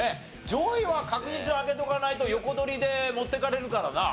上位は確実に開けとかないと横取りで持っていかれるからな。